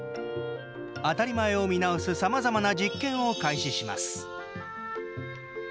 当たり前を見直すさまざまな実験を開始します。